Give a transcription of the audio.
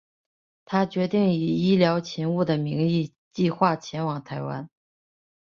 他决定以医疗勤务的名义计画前往台湾。